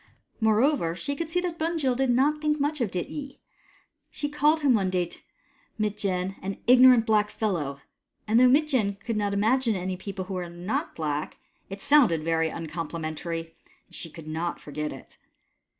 Moreover, she could see that Bunjil did not think much of Dityi. He called him one day to Mitjen, " an ignorant black fellow," and though Mitjen could not imagine any people who were not black, it sounded very uncomplimentary, and she could not forget it.